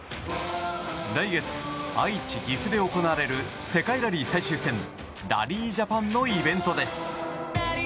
来月愛知、岐阜で行われる世界ラリー最終戦ラリー・ジャパンのイベントです。